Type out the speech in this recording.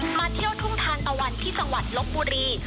มาเที่ยวทุ่งทานตะวันที่จังหวัดลบบุรี